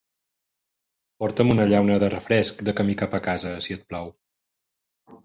Porta'm una llauna de refresc de camí cap a casa, si et plau.